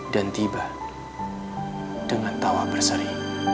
dan tiba dengan tawa berseri